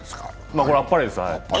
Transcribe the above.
これはあっぱれです。